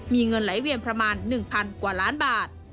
มีเงินไหลเวียนประมาณ๑๐๐กว่าล้านบาท